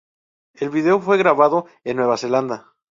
El vídeo fue grabado en Nueva Zelanda.